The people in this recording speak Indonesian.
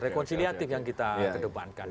rekonsiliatif yang kita kedepankan